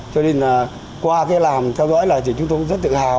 cho nên qua cái làm theo dõi là chị chúng tôi rất tự hào